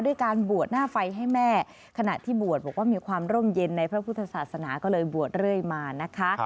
ด้วยการบวชหน้าไฟให้แม่ขณะที่บวชบอกว่ามีความร่มเย็นในพระพุทธศาสนาก็เลยบวชเรื่อยมานะคะ